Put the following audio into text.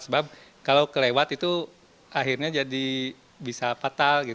sebab kalau kelewat itu akhirnya jadi bisa fatal